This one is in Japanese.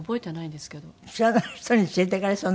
知らない人に連れて行かれそうになったの？